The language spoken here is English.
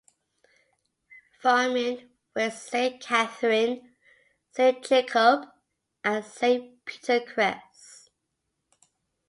Varmien with Saint Katherine, Saint Jacob and Saint Peter crests.